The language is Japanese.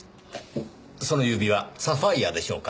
その指輪サファイアでしょうか？